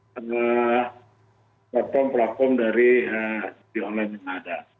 karena platform platform dari judi online yang ada